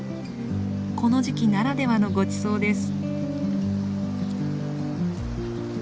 この時期ならではのごちそうです。